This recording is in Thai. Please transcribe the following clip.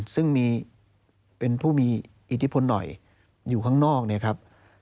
ซึ่งมีเป็นผู้มีอิทธิพลหน่อยอยู่ข้างนอกเนี่ยครับ